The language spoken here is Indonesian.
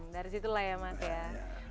dari situlah ya mas ya